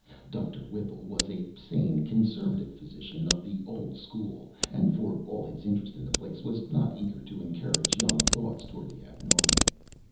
Doctor Whipple was a sane, conservative physician of the old school, and for all his interest in the place was not eager to encourage young thoughts toward the abnormal.